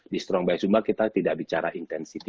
di strong by sumba kita tidak bicara intensity